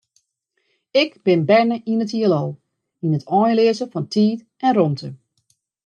Ik bin berne yn it Hielal, yn it einleaze fan tiid en rûmte.